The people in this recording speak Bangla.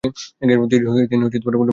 তিনি কোন বেতন গ্রহণ করেননি।